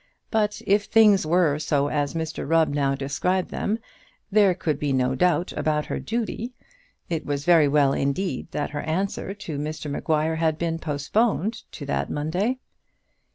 But if things were so as Mr Rubb now described them, there could be no doubt about her duty. It was very well indeed that her answer to Mr Maguire had been postponed to that Monday.